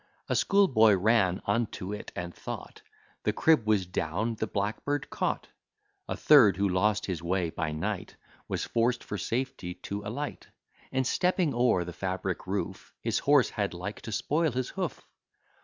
A schoolboy ran unto't, and thought The crib was down, the blackbird caught. A third, who lost his way by night, Was forced for safety to alight, And, stepping o'er the fabric roof, His horse had like to spoil his hoof.